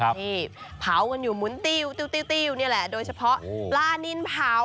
ที่เผากันอยู่หมุนติ้วติ้วนี่แหละโดยเฉพาะปลานินเผา